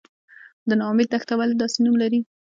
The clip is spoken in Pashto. د نا امید دښته ولې داسې نوم لري؟